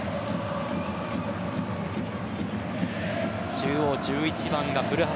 中央、１１番が古橋。